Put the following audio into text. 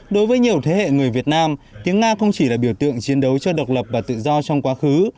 đối với nhiều thế hệ người việt nam tiếng nga không chỉ là biểu tượng chiến đấu cho độc lập và tự do trong quá khứ